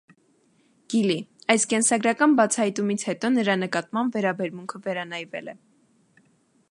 Գիլի՝ այս կենսագրական բացահայտումից հետո նրա նկատմամբ վերաբերմունքը վերանայվել է։